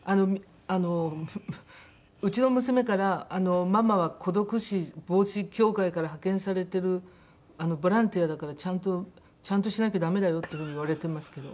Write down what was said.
あのうちの娘から「ママは孤独死防止協会から派遣されてるボランティアだからちゃんとちゃんとしなきゃダメだよ」っていう風に言われてますけど。